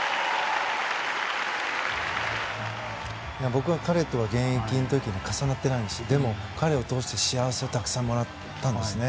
僕は彼と現役の時には重なってないしでも、彼を通して幸せをたくさんもらったんですね。